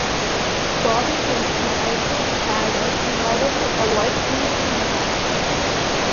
Bobby pins may also be padded in order to avoid creasing the hair.